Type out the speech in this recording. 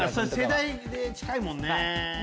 世代近いもんね。